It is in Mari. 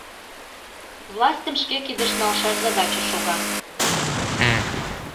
Властьым шке кидыш налшаш задача шога.